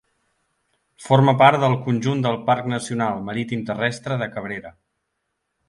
Forma part del conjunt del Parc Nacional Marítim–Terrestre de Cabrera.